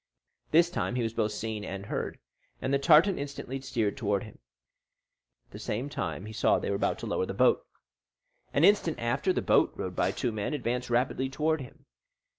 This time he was both seen and heard, and the tartan instantly steered towards him. At the same time, he saw they were about to lower the boat. An instant after, the boat, rowed by two men, advanced rapidly towards him.